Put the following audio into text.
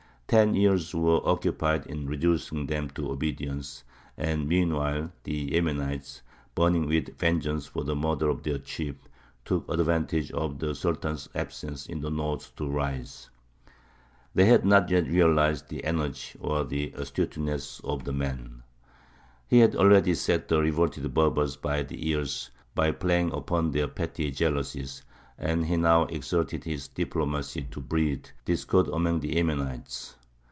Ten years were occupied in reducing them to obedience, and meanwhile the Yemenites, burning with vengeance for the murder of their chief, took advantage of the Sultan's absence in the north to rise. They had not yet realized the energy or the astuteness of the man. He had already set the revolted Berbers by the ears by playing upon their petty jealousies; and he now exerted his diplomacy to breed discord among the Yemenites.